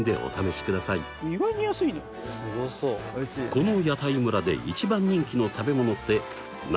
この屋台村で一番人気の食べ物って何だと思いますか？